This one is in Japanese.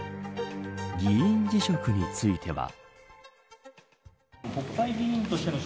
議員辞職については。